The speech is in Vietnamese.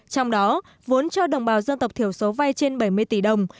trong đó vốn cho đồng bào dân tộc thiểu số vay trên bảy mươi tỷ đồng